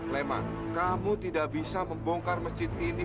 lema kamu tidak bisa membongkar masjid ini